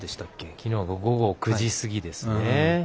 きのうが９時過ぎですね。